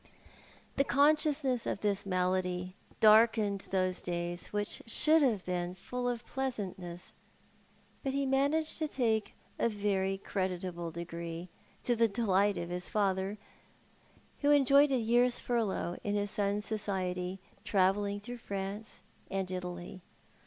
The consciousness of Urquhart considet^s himself Ill used. 79 tills malady darkened those days wliicli should have been full of pleasantness ; but he managed to take a very creditable degree, to the delight of his father, who enjoyed a year's furlough in his son's society, travelling through France and Italy.